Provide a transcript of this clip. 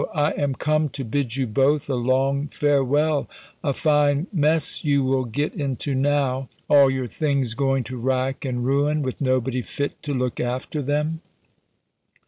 I am come to bid you both a long farewell. A fine mess you will get into now! All your things going to rack and ruin, with nobody fit to look after them!"